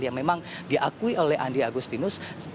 yang memang diakui oleh andi agustinus